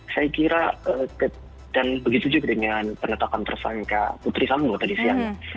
saya kira dan begitu juga dengan penetapan tersangka putri sambo tadi siang